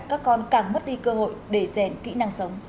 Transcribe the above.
các con càng mất đi cơ hội để rèn kỹ năng sống